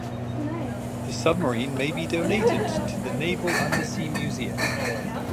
The submarine may be donated to the Naval Undersea Museum.